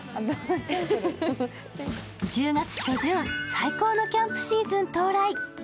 １０月初旬、最高のキャンプシーズン到来。